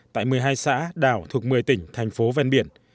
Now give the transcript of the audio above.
tại một mươi hai xã đảo thuộc một mươi tỉnh thành phố ven biển